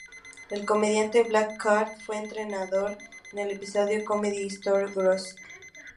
El comediante Blake Clark fue entrevistado en el episodio "Comedy Store Ghosts".